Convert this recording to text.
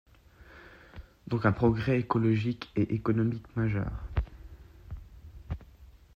Donc un progrès écologique et économique majeur.